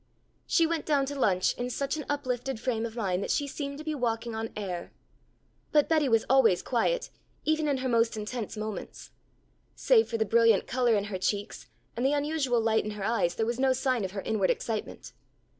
She went down to lunch in such an uplifted frame of mind that she seemed to be walking on air. But Betty was always quiet, even in her most intense moments. Save for the brilliant colour in her cheeks and the unusual light in her eyes there was no sign of her inward excitement.